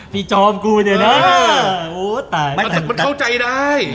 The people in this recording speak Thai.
พี่จอมกูเนี่ยนะมันเข้าใจได้